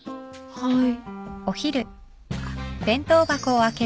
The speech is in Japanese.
はい。